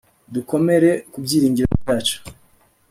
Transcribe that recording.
dukomere ku byiringiro byacu